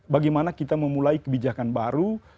bagaimana kita memulai kebijakan baru